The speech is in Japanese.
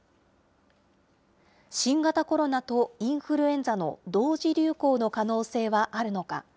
新型コロナとインフルエンザの同時流行の可能性はあるのか。